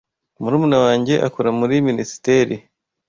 Murumuna wanjye akora muri minisiteri